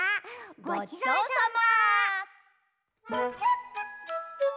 ごちそうさま。